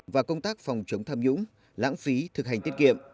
và công tác phòng chống tham nhũng lãng phí thực hành tiết kiệm